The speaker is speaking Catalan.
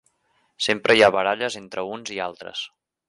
Sempre hi ha baralles entre uns i altres.